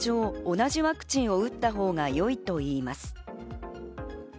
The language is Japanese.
同じワクチンを打ったほうが良いといいます。